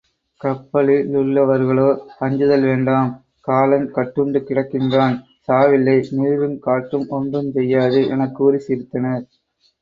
கப்பலிலுள்ளவர்களோ அஞ்சுதல் வேண்டாம் காலன் கட்டுண்டு கிடக்கின்றான் சாவில்லை நீருங் காற்றும் ஒன்றுஞ் செய்யாது எனக் கூறிச் சிரித்தனர்.